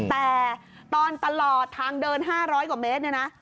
แต่ตอนตลอดทางเดิน๕๐๐กว่าเมตรเนี่ยนะ